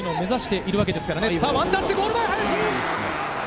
ワンタッチ、ゴール前激しい。